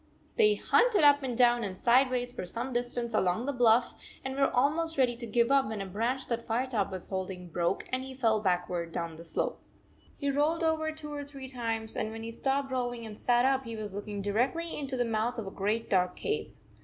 They hunted up and down and sideways for some distance along the bluff, and were almost ready to give up, when a branch that Firetop was holding broke and he fell back ward down the slope. He rolled over two or three times, and when he stopped rolling and sat up he was looking directly into the mouth of a great dark cave.